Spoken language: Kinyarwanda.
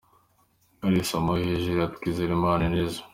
Kalisa Mao hejuru ya Twizerimana Onesme.